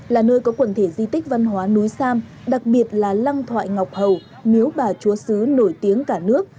là nơi có quần thể di tích văn hóa núi sam đặc biệt là lăng thoại ngọc hầu miếu bà chúa sứ nổi tiếng cả nước